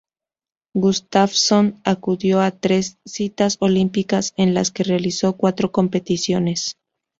Gustafsson acudió a tres citas olímpicas en las que realizó cuatro competiciones.